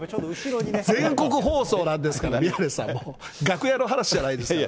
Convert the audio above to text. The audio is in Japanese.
全国放送なんですから、宮根さんも、楽屋の話じゃないですから。